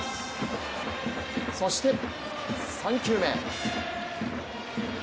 そして、３球目。